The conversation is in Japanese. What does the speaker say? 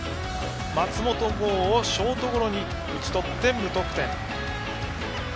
松本剛をショートゴロに打ち取り無得点。